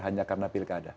hanya karena pilkada